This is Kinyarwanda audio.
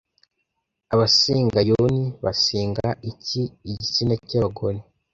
Abasenga Yoni basenga iki Igitsina cy'Abagore